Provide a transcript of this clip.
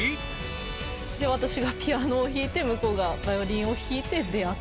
で私がピアノを弾いて向こうがバイオリンを弾いて出会って。